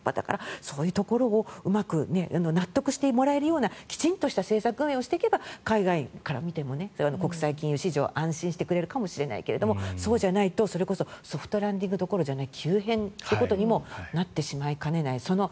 そういうところをうまく納得してもらえるようなきちんとした政策運営をしていけば海外から見ても国際金融市場安心してくれるかもしれないけどそうじゃないと、それこそソフトランディングどころじゃない急変ということにもなってしまいかねない。